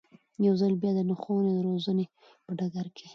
يو ځل بيا د ښوونې او روزنې په ډګر کې